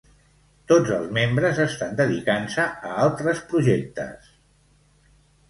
Tots els membres estan dedicant-se a altres projectes.